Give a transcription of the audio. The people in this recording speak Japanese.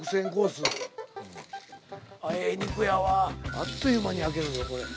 あっという間に焼けるぞこれ。